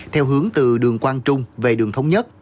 theo hướng từ đường quang trung về đường thống nhất